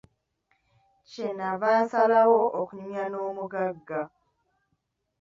Kye nava nsalawo okunyumya n'omugagga.